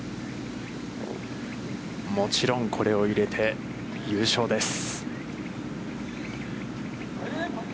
もちろん、これを入れて、優勝です。